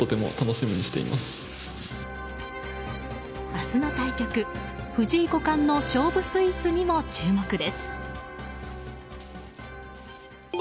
明日の対局、藤井五冠の勝負スイーツにも注目です。